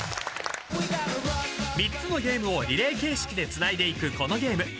［３つのゲームをリレー形式でつないでいくこのゲーム］